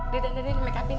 dada dada di makeup in